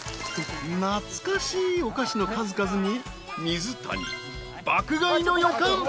［懐かしいお菓子の数々に水谷爆買いの予感］